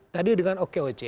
tadi dengan okoc